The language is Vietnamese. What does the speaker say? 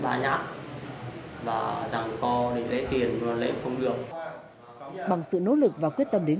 bằng sự nỗ lực và quyết tâm đến công an đối tượng khai tên là nguyễn văn lực hai mươi năm tuổi quê tỉnh nghệ an